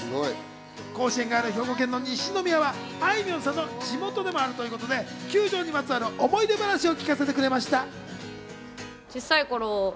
甲子園がある兵庫県の西宮はあいみょんさんの地元でもあるということで、球場にまつわる思い出話を聞かせてくれました。